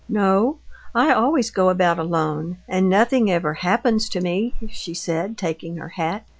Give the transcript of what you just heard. "No, I always go about alone and nothing ever happens to me," she said, taking her hat.